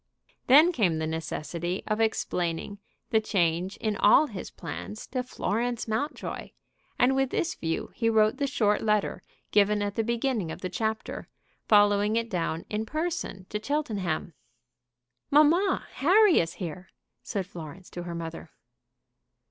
Then came the necessity of explaining the change in all his plans to Florence Mountjoy, and with this view he wrote the short letter given at the beginning of the chapter, following it down in person to Cheltenham. "Mamma, Harry is here," said Florence to her mother.